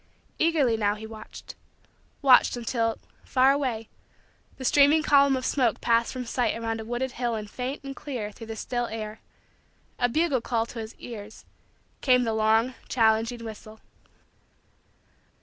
Eagerly now he watched watched until, far away, the streaming column of smoke passed from sight around a wooded hill and faint and clear through the still air a bugle call to his ears came the long challenging whistle.